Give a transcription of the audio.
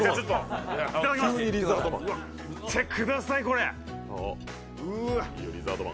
見てください、これ！